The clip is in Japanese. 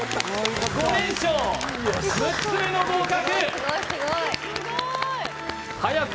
５連勝６つ目の合格！